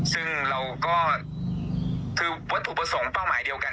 ซึ่งเราก็คือวัตถุประสงค์เป้าหมายเดียวกัน